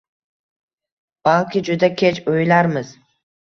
Balki juda kech o'ylarmiz?